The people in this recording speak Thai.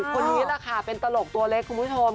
คนนี้แหละค่ะเป็นตลกตัวเล็กคุณผู้ชม